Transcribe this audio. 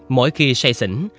mỗi khi say xỉn